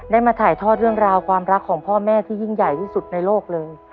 มาถ่ายทอดเรื่องราวความรักของพ่อแม่ที่ยิ่งใหญ่ที่สุดในโลกเลย